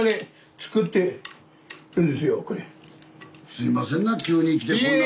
すいませんな急に来てこんな。